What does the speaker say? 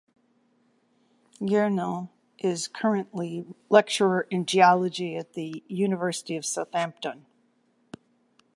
Gernon is currently lecturer in geology at the University of Southampton.